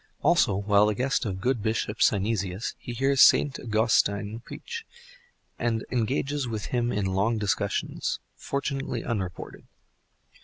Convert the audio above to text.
Also, while the guest of good Bishop Synesius, he hears Saint Augustine preach, and engages with him in long discussions, fortunately unreported.